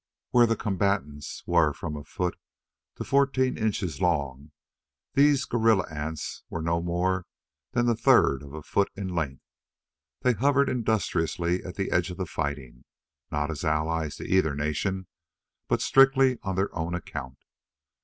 Where the combatants were from a foot to fourteen inches long, these guerilla ants were no more than the third of a foot in length. They hovered industriously at the edge of the fighting, not as allies to either nation, but strictly on their own account.